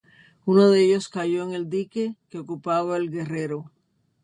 Uno de ellos cayó en el dique que ocupaba el "Guerrero".